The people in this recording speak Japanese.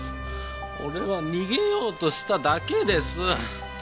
俺は逃げようとしただけです！